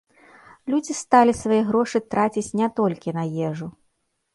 Людзі сталі свае грошы траціць не толькі на ежу.